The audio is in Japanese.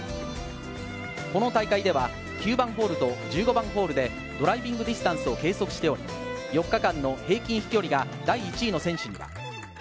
この大会では９番ホールと１５番ホールでドライビングディスタンスを計測しており、４日間の平均飛距離が第１位の選手にはＡＮＡ